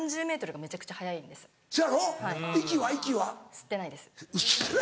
吸ってないです。